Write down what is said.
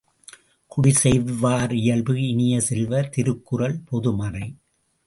குடிசெய்வார் இயல்பு இனிய செல்வ, திருக்குறள் பொது மறை!